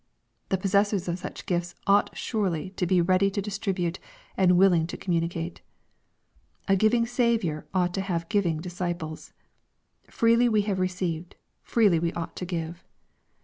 The possessors of such gifts ought surely to be '^ ready to distribute" and " willing to communicate." A giving Saviour ought to have giving disciples. Freely we have received : freely we ought to give.